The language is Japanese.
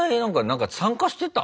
何か参加してた？